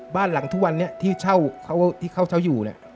บ้านหลังทุกวันนี้ที่เขาเช่าอยู่